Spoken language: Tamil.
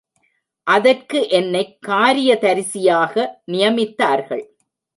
அதற்கு என்னைக் காரியதரிசியாக நியமித்தார்கள்.